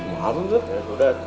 oh malu tuh